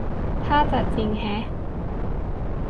ท่าจะจริงแฮะ